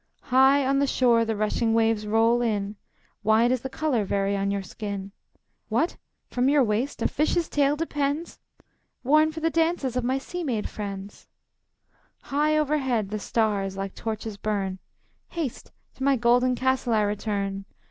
High on the shore the rushing waves roll in. "Why does the color vary on your skin? What! From your waist a fish's tail depends!" "Worn for the dances of my sea maid friends." High overhead, the stars, like torches, burn: "Haste! to my golden castle I return.